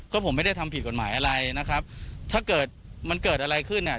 ก็ผมไม่ได้ทำผิดกฎหมายอะไรนะครับถ้าเกิดมันเกิดอะไรขึ้นเนี่ย